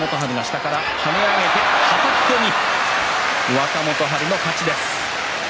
若元春の勝ちです。